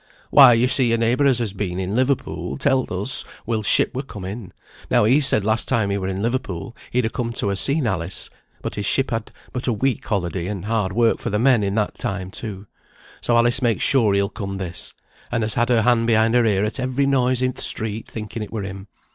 "Why, yo see, a neighbour as has been in Liverpool, telled us Will's ship were come in. Now he said last time he were in Liverpool he'd ha' come to ha' seen Alice, but his ship had but a week holiday, and hard work for the men in that time too. So Alice makes sure he'll come this, and has had her hand behind her ear at every noise in th' street, thinking it were him.